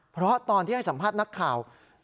เพราะตอนที่ให้สัมภาษณ์นักข่าว